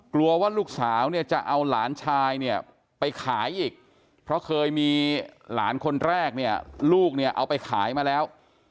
กลัวว่าลูกสาวจะเอาหลานชายไปขายอีกเพราะเคยมีหลานคนแรกลูกเอาไปขายมาแล้ว